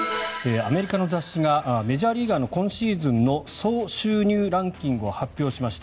アメリカの雑誌がメジャーリーガーの今シーズンの総収入ランキングを発表しました。